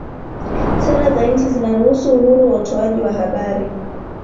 sera za nchi zinaruhusu uhuru wa utoaji wa habari